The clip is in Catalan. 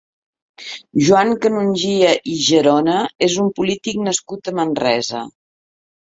Joan Canongia i Gerona és un polític nascut a Manresa.